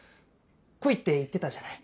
来いって言ってたじゃない。